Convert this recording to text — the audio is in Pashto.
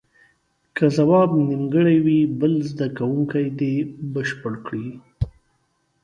که ځواب نیمګړی وي بل زده کوونکی دې بشپړ کړي.